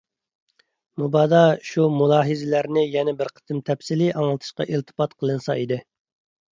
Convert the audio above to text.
مۇبادا شۇ مۇلاھىزىلەرنى يەنە بىر قېتىم تەپسىلىي ئاڭلىتىشقا ئىلتىپات قىلىنسا ئىدى.